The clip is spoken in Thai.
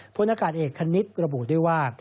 พลอากาศเอกคณิตระบุด้วยว่า